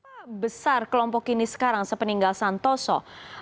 seberapa besar kelompok ini sekarang sepeninggal santoso